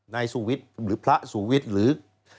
นายสุวิทย์หรือพระสูวิทย์หรือ